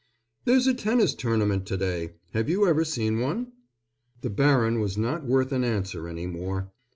"There's a tennis tournament to day. Have you ever seen one?" The baron was not worth an answer any more.